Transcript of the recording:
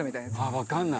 あっ分かんない。